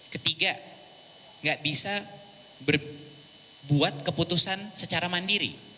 ketiga tidak bisa membuat keputusan secara mandiri